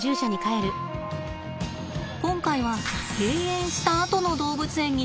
今回は閉園したあとの動物園に注目しました。